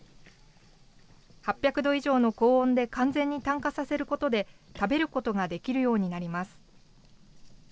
８００度以上の高温で完全に炭化させることで、食べることができるようになります。